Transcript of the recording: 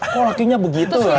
kok lakinya begitu lah